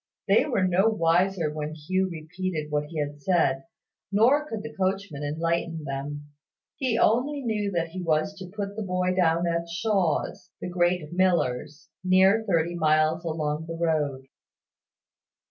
They were no wiser when Hugh repeated what he had said; nor could the coachman enlighten them. He only knew that he was to put the boy down at Shaw's, the great miller's, near thirty miles along the road.